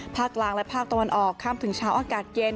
ภาคกลางและภาคตะวันออกข้ามถึงเช้าอากาศเย็น